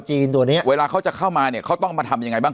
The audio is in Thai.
ตัวเนี้ยเวลาเขาจะเข้ามาเนี่ยเขาต้องมาทำยังไงบ้าง